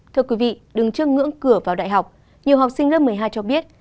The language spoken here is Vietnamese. thưa quý vị đứng trước ngưỡng cửa vào đại học nhiều học sinh lớp một mươi hai cho biết